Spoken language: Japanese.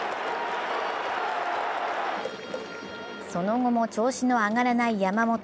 その後も調子の上がらない山本。